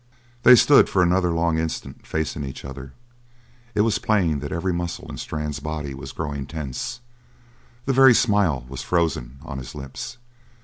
They stood for another long instant, facing each other. It was plain that every muscle in Strann's body was growing tense; the very smile was frozen on his lips.